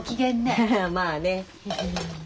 アハハまあね。